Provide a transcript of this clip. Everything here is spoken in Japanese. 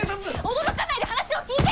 驚かないで話を聞いて！